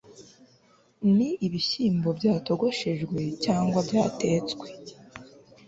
ni ibishyimbo byatogoshejwe cyangwa byatetswe